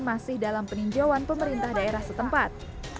masih dalam peninjauan pemerintah daerah setempat